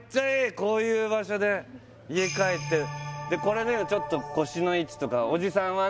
こういう場所で家帰ってでこれでちょっと腰の位置とかおじさんはね